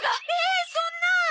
えっそんな！